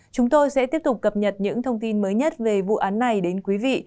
chúng tôi sẽ tiếp tục cập nhật những thông tin mới nhất về vụ án này đến quý vị